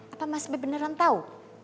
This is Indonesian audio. apa mas be beneran tau